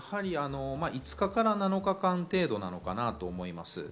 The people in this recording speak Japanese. ５日から７日間程度なのかなと思います。